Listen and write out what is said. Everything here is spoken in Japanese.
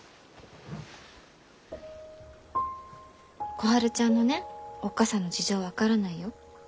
小春ちゃんのねおっ母さんの事情分からないよ。